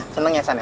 seneng ya san ya